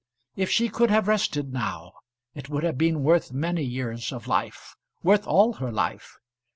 If she could have rested now, it would have been worth many years of life, worth all her life.